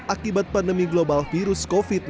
akibat pandemi global virus covid sembilan belas